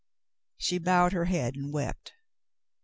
She bowed her head and wept.